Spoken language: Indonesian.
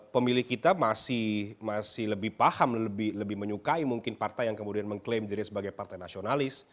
pemilih kita masih lebih paham lebih menyukai mungkin partai yang kemudian mengklaim diri sebagai partai nasionalis